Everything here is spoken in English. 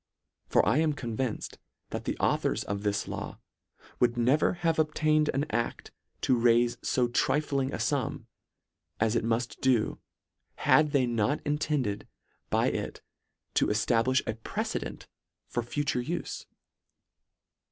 For I am con vinced that the authors of this law, would ne ver have obtained an acl to raife fo trifling a fum, as it muft do, had they not intend ed by it to eftabliih a precedent for future ufe.